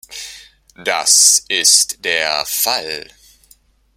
Das ist der Fall.